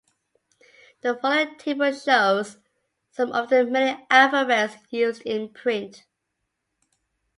The following table shows some of the many alphabets used in print.